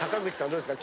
どうですか？